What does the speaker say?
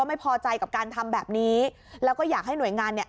ไม่พอใจกับการทำแบบนี้แล้วก็อยากให้หน่วยงานเนี่ย